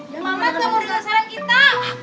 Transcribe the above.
si mamat mau jelasin kita